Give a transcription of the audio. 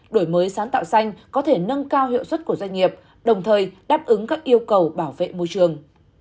đổi mới sáng tạo xanh có thể nâng cao hiệu suất của doanh nghiệp đồng thời đáp ứng các yêu cầu bảo vệ môi trường